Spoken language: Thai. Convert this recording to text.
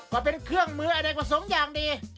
ก็เป็นเครื่องมืออันเนียกกว่าสมอย่างดี